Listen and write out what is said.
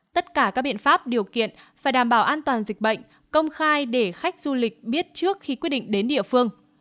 tất cả các biện pháp điều kiện phải đảm bảo an toàn dịch bệnh công khai để khách du lịch biết trước khi quyết định đến địa phương